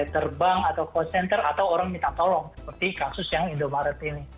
terbang atau call center atau orang minta tolong seperti kasus yang indomaret ini